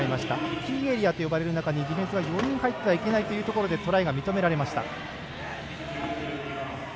キーエリアという中にディフェンスは４人入ってはいけないということでトライが認められました。